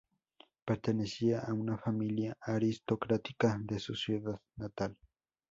Pertenecía a una familia aristocrática de su ciudad natal.